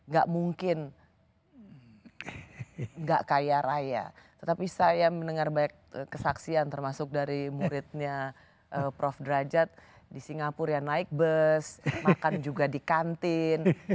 gak mungkin gak kaya raya tetapi saya mendengar banyak kesaksian termasuk dari muridnya prof derajat di singapura yang naik bus makan juga di kantin